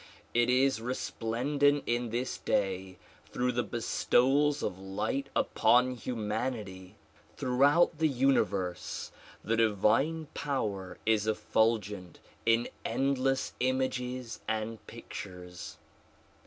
It is re splendent in this day through the bestowals of light upon humanity. Throughout the universe the divine power is effulgent in endless images and pictures.